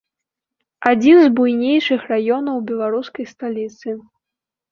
Адзін з буйнейшых раёнаў беларускай сталіцы.